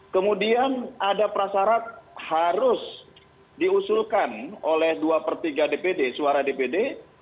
kemudian ada prasarat harus diusulkan oleh dua per tiga dpd suara dpd